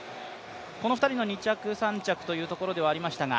この２人の２着、３着というところではありましたが。